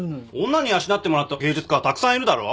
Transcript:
女に養ってもらった芸術家はたくさんいるだろ。